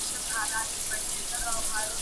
افغان کډوال ماشومان له دې پروژې ګټه اخلي.